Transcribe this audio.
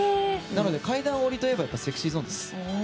階段下りといえばＳｅｘｙＺｏｎｅです。